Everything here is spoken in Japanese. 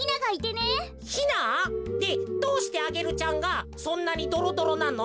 ヒナ？でどうしてアゲルちゃんがそんなにドロドロなの？